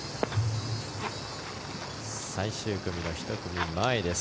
最終組の１組前です。